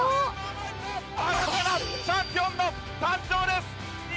新たなチャンピオンの誕生です。